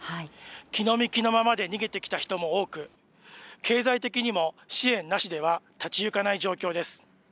着の身着のままで逃げてきた人も多く、経済的にも支援なしでは立ち行かない状況です。